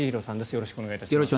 よろしくお願いします。